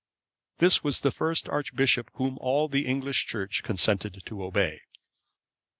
This was the first archbishop whom all the English Church consented to obey.